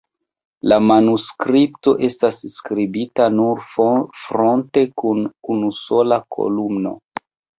La manuskripto estas skribita nur fronte kun unusola kolumno.